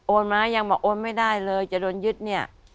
โอนมั้ยยังว่าโอนไม่ได้เลยจะโดนยึดเนี่ย